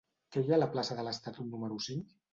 Què hi ha a la plaça de l'Estatut número cinc?